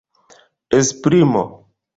esprimo